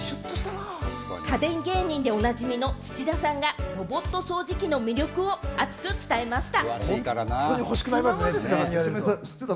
家電芸人でおなじみの土田さんが、ロボット掃除機の魅力を熱く伝えました。